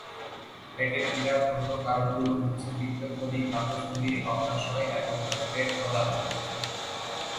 পেটের পীড়ার অন্য কারণগুলো হচ্ছে পিত্তথলি, পাকস্থলী, অগ্ন্যাশয় এবং অন্ত্রের প্রদাহ।